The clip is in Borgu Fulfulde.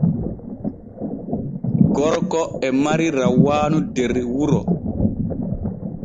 Gorko e mari rawaanu der wuro.